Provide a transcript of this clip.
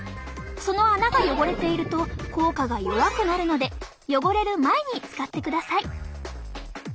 その穴が汚れていると効果が弱くなるので汚れる前に使ってください。